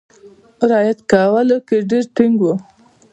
رعایت کولو کې ډېر ټینګ وو.